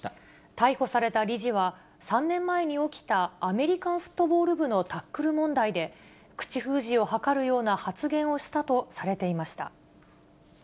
逮捕された理事は、３年前に起きたアメリカンフットボール部のタックル問題で、口封じを図るような発言をしたとされていました。